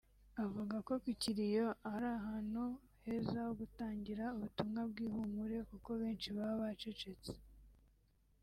Avuga ko ku kiriyo ari ahantu heza ho gutangira ubutumwa bw’ihumure kuko benshi baba bacecetse